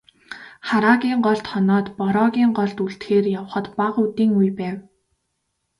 Хараагийн голд хоноод, Бороогийн голд үлдэхээр явахад бага үдийн үе байв.